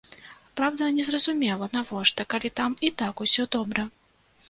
Праўда, незразумела, навошта, калі там і так усё добра.